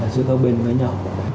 giữa các bên với nhau